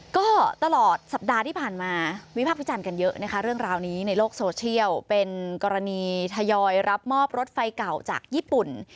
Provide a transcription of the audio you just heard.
ก็ตลอดสัปดาห์ที่ผ่านมาวิพากษ์วิจารณ์กันเยอะนะคะเรื่องราวนี้ในโลกโซเชียลเป็นกรณีทยอยรับมอบรถไฟเก่าจากญี่ปุ่น